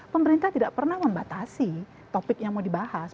pemerintah tidak pernah membatasi topik yang mau dibahas